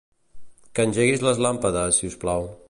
Que engeguis les làmpades, si us plau.